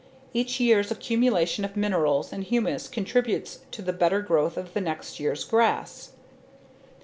Each year's accumulation of minerals and humus contributes to the better growth of the next year's grass.